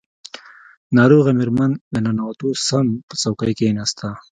ناروغه مېرمن له ننوتو سم په څوکۍ کښېناسته.